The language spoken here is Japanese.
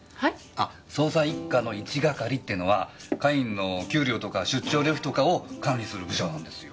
あ捜査一課の一係ってのは課員の給料とか出張旅費とかを管理する部署なんですよ。